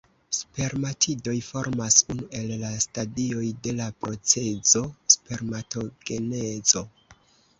Spermatidoj formas unu el la stadioj de la procezo spermatogenezo.